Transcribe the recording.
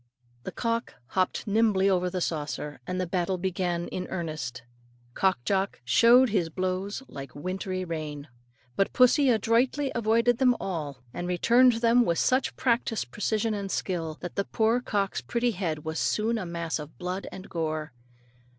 The cock hopped nimbly over the saucer, and the battle began in earnest. Cock Jock "showered his blows like wintry rain." But pussy adroitly avoided them all, and returned them with such practised precision and skill, that the poor cock's pretty head was soon a mass of blood and gore.